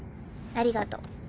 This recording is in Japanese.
ありがとう。